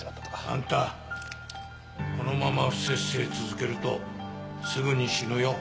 あんたこのまま不摂生続けるとすぐに死ぬよ。